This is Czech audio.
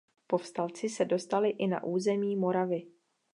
Povstalci se dostali i na území Moravy.